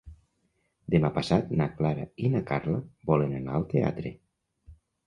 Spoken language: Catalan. Demà passat na Clara i na Carla volen anar al teatre.